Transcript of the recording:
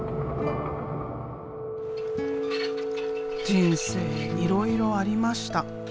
人生いろいろありました。